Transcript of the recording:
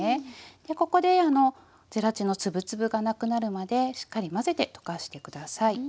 でここでゼラチンの粒々がなくなるまでしっかり混ぜて溶かして下さい。